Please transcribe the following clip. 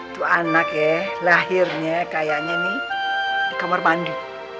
itu anak ya lahirnya kayaknya nih di kamar mandi